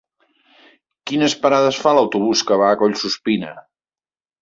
Quines parades fa l'autobús que va a Collsuspina?